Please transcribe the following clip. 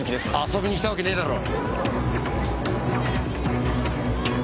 遊びに来たわけねぇだろ。